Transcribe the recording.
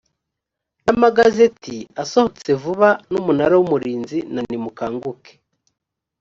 n amagazeti asohotse vuba y umunara w umurinzi na nimukanguke